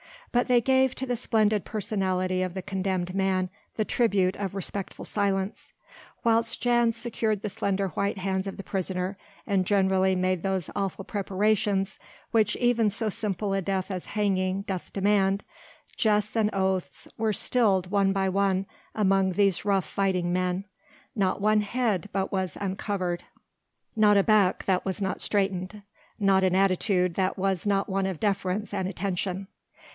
But they gave to the splendid personality of the condemned man the tribute of respectful silence. Whilst Jan secured the slender white hands of the prisoner, and generally made those awful preparations which even so simple a death as hanging doth demand, jests and oaths were stilled one by one among these rough fighting men, not one head but was uncovered, not a back that was not straightened, not an attitude that was not one of deference and attention.